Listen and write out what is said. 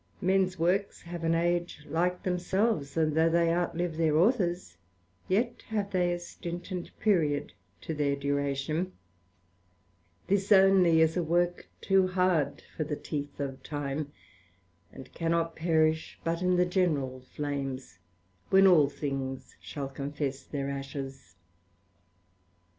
Mens Works have an age like themselves; and though they out live their Authors, yet have they a stint and period to their duration: This only is a work too hard for the teeth of time, and cannot perish but in the general Flames, when all things shall confess their Ashes.